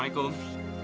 tante aku mau pergi